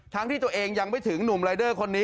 ที่ตัวเองยังไม่ถึงหนุ่มรายเดอร์คนนี้